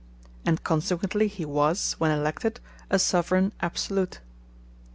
And consequently he was, when elected, a Soveraign absolute.